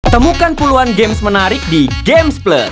temukan puluhan games menarik di gamesplus